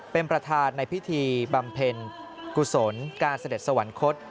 เป็นประธานในพิธีบำเพ็ญกุศลการเสด็จสวรรคต